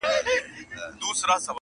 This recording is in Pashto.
له حجرو څخه به ږغ د ټنګ ټکور وي!.